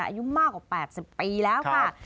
อายุมากกว่า๘๐ปีแล้วค่ะ